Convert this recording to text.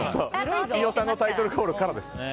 飯尾さんのタイトルコールからです。